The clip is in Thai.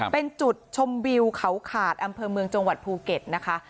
เป็นจุดชมวิวเขาขาดอำเภอเมืองจังหวัดภูเก็ตนะคะ